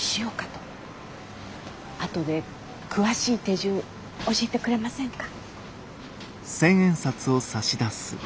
あとで詳しい手順教えてくれませんか？